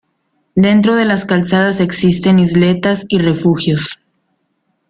Dentro de las calzadas existen isletas y refugios.